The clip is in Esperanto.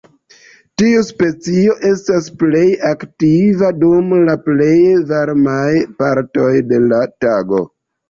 Tiu specio estas plej aktiva dum la plej varmaj partoj de la tago.